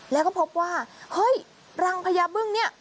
แล้วก็พบว่าเฮ้ยรังพญาบึ้งเนี่ย